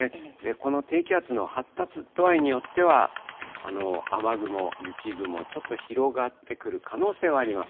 この低気圧の発達度合いによっては、雨雲、雪雲、ちょっと広がってくる可能性はあります。